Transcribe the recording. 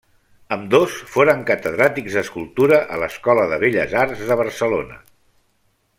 Ambdós foren catedràtics d'escultura a l'Escola de Belles Arts de Barcelona.